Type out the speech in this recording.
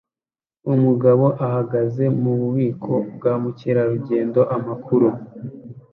Umugabo ahagaze mububiko bwa Mukerarugendo-Amakuru